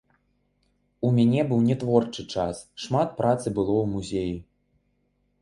У мяне быў не творчы час, шмат працы было ў музеі.